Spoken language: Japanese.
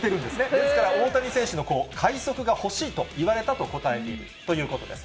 ですから、大谷選手の快足が欲しいと言われたと答えているということです。